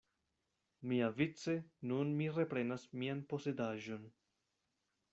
Miavice nun mi reprenas mian posedaĵon.